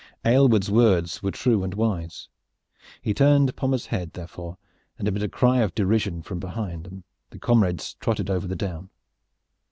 Aylward's words were true and wise. He turned Pommers' head therefore, and amid a cry of derision from behind them the comrades trotted over the down.